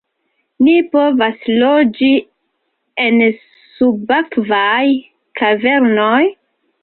"Ni povas loĝi en subakvaj kavernoj!"